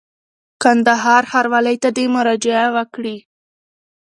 کندهار ښاروالۍ ته دي مراجعه وکړي.